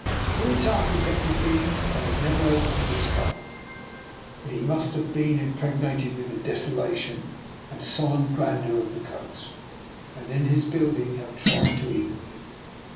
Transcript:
Who its architect had been I was never able to discover, but he must have been impreg nated with the desolation and solemn gran deur of the coast, and in his building have tried to equal it.